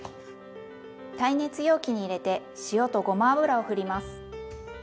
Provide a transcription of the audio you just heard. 耐熱容器に入れて塩とごま油をふります。